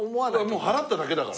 もう払っただけだから。